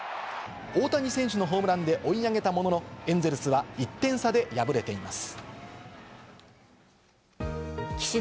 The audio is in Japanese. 大谷選手のホームランで追い上げたものの、エンゼルスは１点差で敗れています。